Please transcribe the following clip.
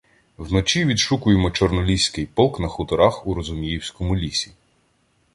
Вночі відшукуємо Чорноліський полк на хуторах у Розуміївському лісі.